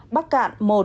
một bắc cạn